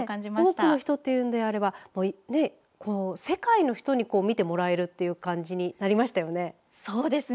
多くの人というのであれば世界の人に見てもらえるという感じになりましたよね。